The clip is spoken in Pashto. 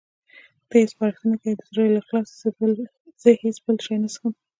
ته یې سپارښتنه کوې؟ د زړه له اخلاصه، زه هېڅ بل شی نه څښم.